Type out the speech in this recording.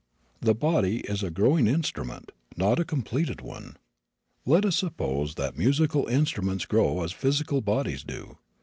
The body is a growing instrument, not a completed one. Let us suppose that musical instruments grow as physical bodies do.